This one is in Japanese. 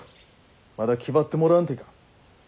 まだ気張ってもらわんといかん。